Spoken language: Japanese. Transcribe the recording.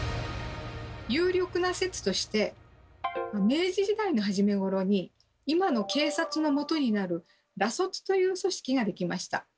有力な説として明治時代の初めごろに今の警察の基になる「ら卒」という組織ができました。